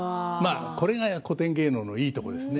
これが古典芸能のいいところですね。